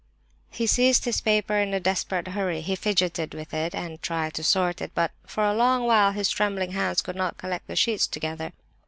He seized his paper in a desperate hurry; he fidgeted with it, and tried to sort it, but for a long while his trembling hands could not collect the sheets together.